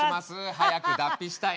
早く脱皮したい。